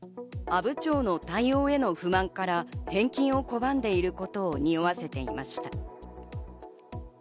阿武町の対応への不満から返金を拒んでいることを匂わせていました。